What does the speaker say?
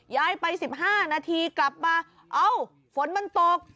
ย้ายไป๑๕นาทีกลับมาเอ้าฝนมันตก